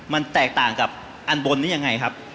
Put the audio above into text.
มันแตกต่างกับอันบนนี้ยังไงครับ